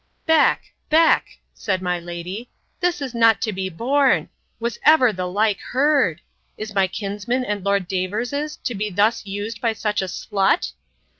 Beck, Beck, said my lady, this is not to be borne! Was ever the like heard! Is my kinsman and Lord Davers's to be thus used by such a slut?